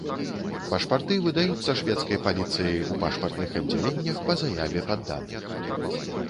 Пашпарты выдаюцца шведскай паліцыяй у пашпартных аддзяленнях па заяве падданых.